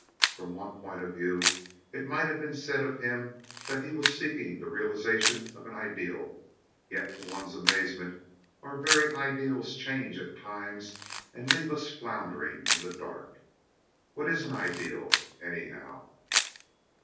From one point of view it might have been said of him that he was seeking the realization of an ideal, yet to one's amazement our very ideals change at times and leave us floundering in the dark. What is an ideal, anyhow?